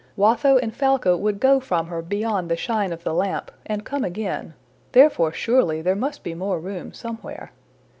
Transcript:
Watho and Falca would go from her beyond the shine of the lamp, and come again; therefore surely there must be more room somewhere.